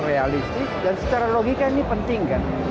realistik dan secara logika ini penting kan